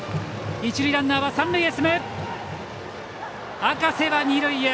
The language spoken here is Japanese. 一塁ランナーは三塁へ！